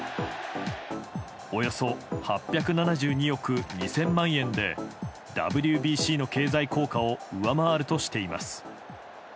およそ８７２億２０００万円でＷＢＣの経済効果を上回るとしています。